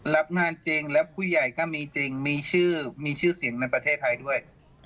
รับงานจริงและผู้ใหญ่ก็มีจริงมีชื่อมีชื่อเสียงในประเทศไทยด้วย